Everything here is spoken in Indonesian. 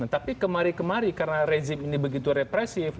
tapi kemari kemari karena rezim ini begitu represif